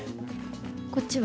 こっちは？